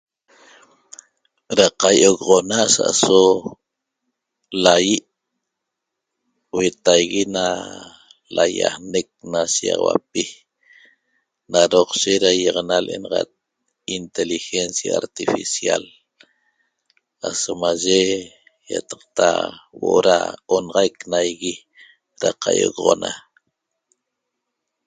Ra qaiogoxona sa'aso lai' huetaigui na laiaanec na shigaxauapi na roqshe ra iaxana le'enaxat inteligencia artificial asomaye iataqta huo'o onaxaic naigui ra qaiogoxona